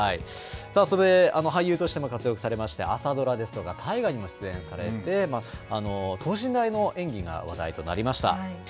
それで、俳優としても活躍されまして、朝ドラですとか大河にも出演されて、等身大の演技が話題となりました。